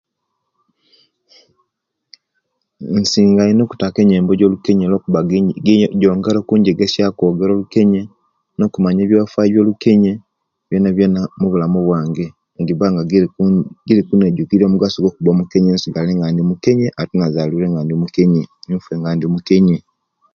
Nsinga ino okutaka enyembo Jo lukenye luwakuba jongera okunjegesya okwogera olukenye nokumanya ebiyafayo mulukenye byonabyona mubulamu bwange nejiba nga jiriku jiriku jirikunejukirya omugaso gwo'kuba omukenye nsigale nga indi mukenye ate nazalibwire nga indi mukenye ate nfe nga indi mukenye